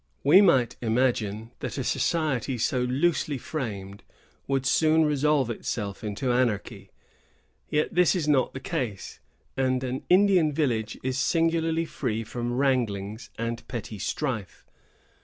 We might imagine that a society so loosely framed would soon resolve itself into anarchy; yet this is not the case, and an Indian village is singularly free from wranglings and petty strife.